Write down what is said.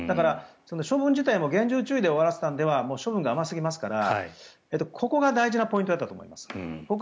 処分自体も厳重注意で終わらせたのでは処分が甘すぎますからここが大事なポイントだったと思います。